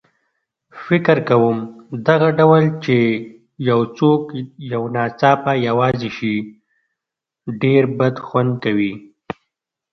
فکر کوم دغه ډول چې یو څوک یو ناڅاپه یوازې شي ډېر بدخوند کوي.